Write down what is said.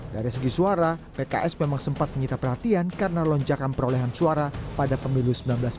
dari segi suara pks memang sempat menyita perhatian karena lonjakan perolehan suara pada pemilu seribu sembilan ratus sembilan puluh empat